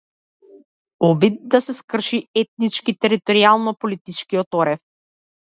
Обид да се скрши етнички територијално политичкиот орев.